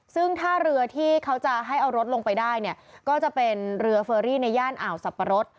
ซึ่งถ้าเรือที่เขาจะให้เอารถลงไปได้เนี่ยก็จะเป็นเรือเฟอรี่ในย่านอ่าวสับปะรด